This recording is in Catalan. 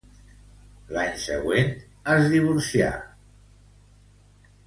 L'any següent, es divorcia.